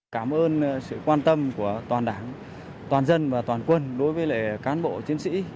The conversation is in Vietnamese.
cảm ơn sự quan tâm của toàn đảng toàn dân và toàn quân đối với cán bộ chiến sĩ